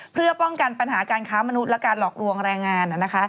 เพื่อป้องกันปัญหาการค้ามนุษย์และการหลอกลวงแรงงาน